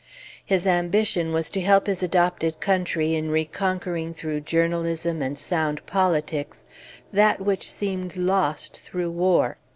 His ambition was to help his adopted country in reconquering through journalism and sound politics that which seemed lost through war.